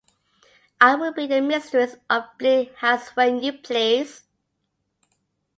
I will be the mistress of Bleak House when you please.